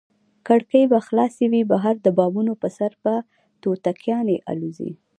کړکۍ به خلاصې وي، بهر د بامونو پر سر به توتکیانې الوزي.